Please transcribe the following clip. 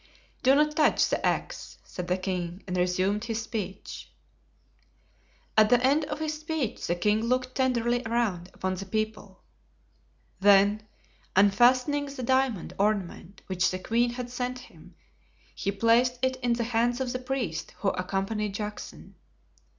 "Do not touch the axe," said the king, and resumed his speech. At the end of his speech the king looked tenderly around upon the people. Then unfastening the diamond ornament which the queen had sent him, he placed it in the hands of the priest who accompanied Juxon.